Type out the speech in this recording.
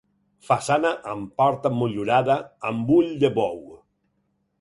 Façana amb porta motllurada amb ull de bou.